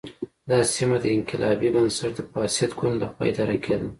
دا سیمه د انقلابي بنسټ د فاسد ګوند له خوا اداره کېده.